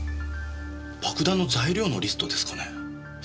爆弾の材料のリストですかね。